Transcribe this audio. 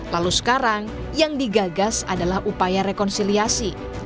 lalu sekarang yang digagas adalah upaya rekonsiliasi